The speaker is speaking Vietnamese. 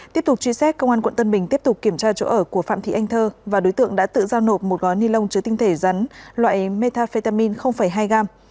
tiếp tục truy xét công an quận tân bình tiếp tục kiểm tra chỗ ở của phạm thị anh thơ và đối tượng đã tự giao nộp một gói ni lông chứa tinh thể rắn loại metafetamin hai gram